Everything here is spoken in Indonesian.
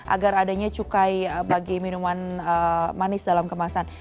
agar adanya cukai bagi minuman manis dalam kemasan